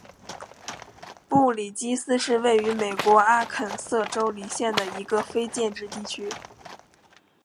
布里基斯是位于美国阿肯色州李县的一个非建制地区。